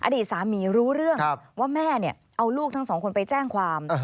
อดีตสามีรู้เรื่องว่าแม่เอาลูกทั้งสองคนไปแจ้งความ